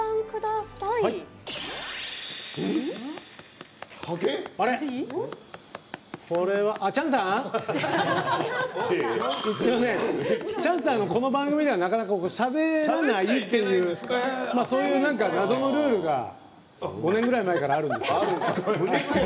すいません、チャンさんはこの番組ではなかなかしゃべらないっていうそういう謎のルールが５年前ぐらいからあるんです。